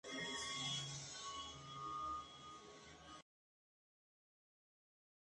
Pasaría ligeramente al sur de Cognac-la-Forêt y cerca de Rochechouart.